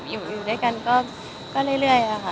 อยู่ด้วยกันก็เรื่อยนะคะ